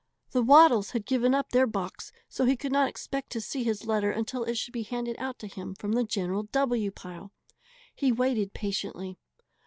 The Waddles had given up their box, so he could not expect to see his letter until it should be handed out to him from the general "W" pile. He waited patiently.